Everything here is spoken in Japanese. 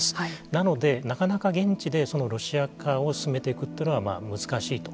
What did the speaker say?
なので、なかなか現地でロシア化を進めていくというのは難しいと。